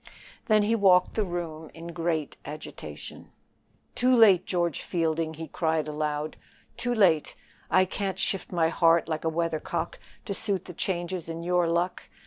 Then he walked the room in great agitation. "Too late, George Fielding," he cried aloud "too late; I can't shift my heart like a weathercock to suit the changes in your luck.